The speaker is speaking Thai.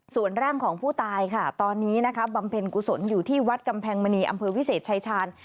ส่วนร่างของผู้ตายค่ะตอนนี้นะคะบำเพ็ญกุศลอยู่ที่วัดกำแพงมณีอำเภอวิเศษชายชาญ